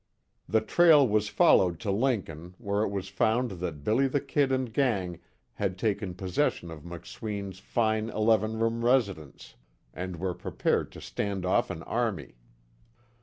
The trail was followed to Lincoln, where it was found that "Billy the Kid" and gang had taken possession of McSween's fine eleven room residence, and were prepared to stand off an army.